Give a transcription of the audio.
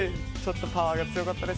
パワーが強かったです。